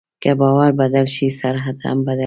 که باور بدل شي، سرحد هم بدل شي.